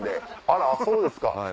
あらそうですか。